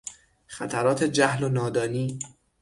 خطرات جهل و نادانی